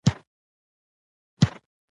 مېلې د خلکو له پاره د روحي آرامۍ یوه وسیله ده.